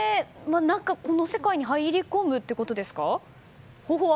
この世界に入り込むってことですか？